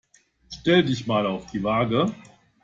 Stell dich mal auf die Waage.